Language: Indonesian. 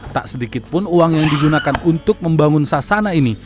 tak sedikit pun uang yang digunakan untuk membangun sasana ini